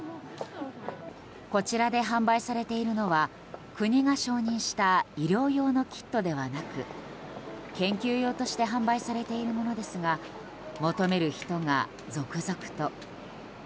こちらで販売されているのは国が承認した医療用のキットではなく研究用として販売されているものですが求める人が続々と。